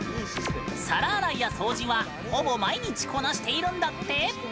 皿洗いや掃除はほぼ毎日こなしているんだって。